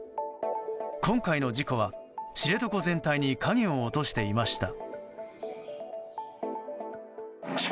今回の事故は、知床全体に影を落としていました。